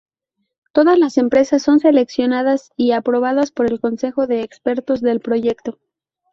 Todas las empresas son seleccionadas y aprobadas por el Consejo de Expertos del proyecto.